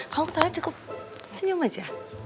kamu ketawa cukup senyum aja